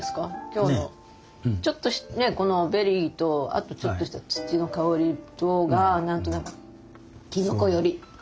今日のちょっとこのベリーとあとちょっとした土の香りとが何となくきのこ寄り。